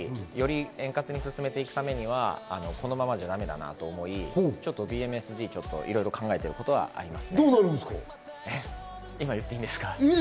頑張りたいなと思い、より円滑に進めていくためにはこのままじゃだめだなと思い、ＢＭＳＧ、考えてることあります。